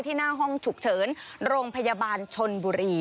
หน้าห้องฉุกเฉินโรงพยาบาลชนบุรี